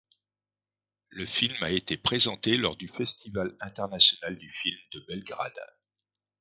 Le film a été présenté lors du Festival international du film de Belgrade.